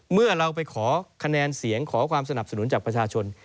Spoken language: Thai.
เมื่อเราไปขอคะแนนเสียงขอความสนับสนุนจากประชาชน